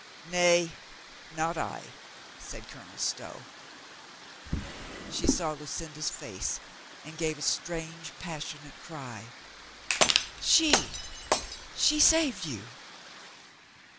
"Nay, not I," said Colonel Stow. She saw Lucinda's face and gave a strange, pas sionate cry. "She! She saved you